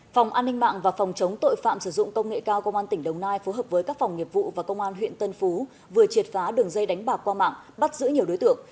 phòng an ninh mạng và phòng chống tội phạm sử dụng công nghệ cao công an tỉnh đồng nai phối hợp với các phòng nghiệp vụ và công an huyện tân phú vừa triệt phá đường dây đánh bạc qua mạng bắt giữ nhiều đối tượng